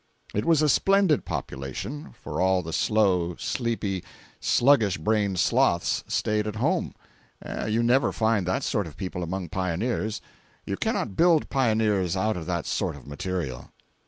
It was a splendid population—for all the slow, sleepy, sluggish brained sloths staid at home—you never find that sort of people among pioneers—you cannot build pioneers out of that sort of material.